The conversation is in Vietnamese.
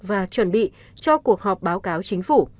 và chuẩn bị cho cuộc họp báo cáo chính phủ